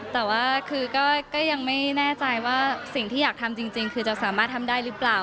แต่ว่าคือก็ยังไม่แน่ใจว่าสิ่งที่อยากทำจริงคือจะสามารถทำได้หรือเปล่า